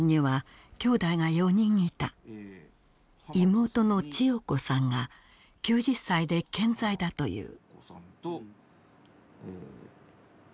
妹の千代子さんが９０歳で健在だという。